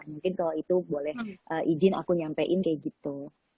mungkin kalau itu boleh izin aku nyampein kayak gitu